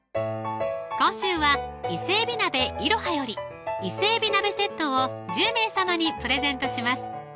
今週は伊勢海老鍋いろはより「伊勢海老鍋セット」を１０名様にプレゼントします